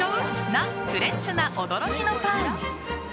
なフレッシュな驚きのパン。